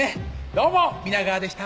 「どうも皆川」でした！